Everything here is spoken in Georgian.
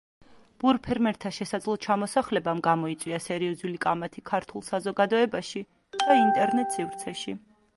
ბურ ფერმერთა შესაძლო ჩამოსახლებამ გამოიწვია სერიოზული კამათი ქართულ საზოგადოებაში და ინტერნეტ სივრცეში.